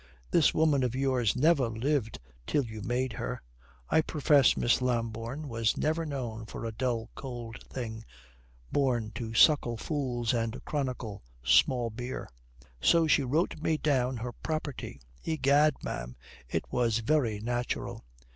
"This woman of yours never lived till you made her. I profess Miss Lambourne was ever known for a dull cold thing born 'to suckle fools and chronicle small beer.'" "So she wrote me down her property. Egad, ma'am, it was very natural."